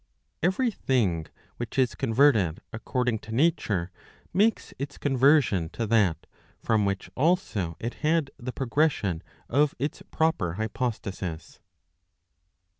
Every tiling which is converted according to nature, makes its conver¬ sion to that, from which also it had the progression of its proper hypostasis.